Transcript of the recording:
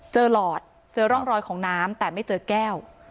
หลอดเจอร่องรอยของน้ำแต่ไม่เจอแก้ว